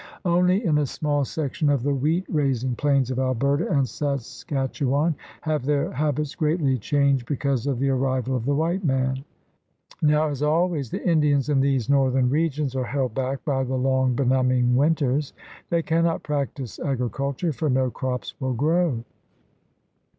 Only in a small section of the wheat raising plains of Alberta and Saskatchewan have their habits greatly changed because of the arrival of the white man. Now as always the Indians in these northern regions are held back by the long, benumbing winters. They cannot practice agri culture, for no crops will grow.